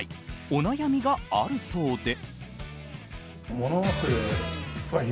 お悩みがあるそうで。